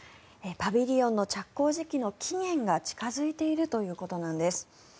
パビリオンの着工時期の期限が近付いているということなんです。